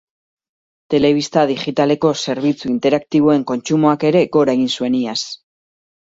Telebista digitaleko zerbitzu interaktiboen kontsumoak ere gora egin zuen iaz.